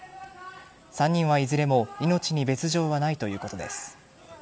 ３人はいずれも命に別条はないということです。